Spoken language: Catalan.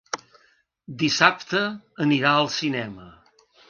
Dissabte anirà al cinema.